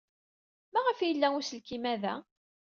Maɣef ay yella uselkim-a da?